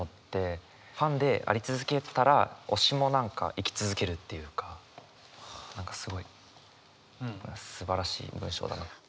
ファンであり続けたら推しも何か生き続けるっていうか何かすごいすばらしい文章だなと。